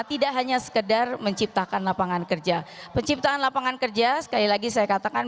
tidak hanya sekedar menciptakan lapangan kerja penciptaan lapangan kerja sekali lagi saya katakan